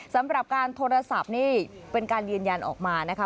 สำหรับการโทรศัพท์นี่เป็นการยืนยันออกมานะคะ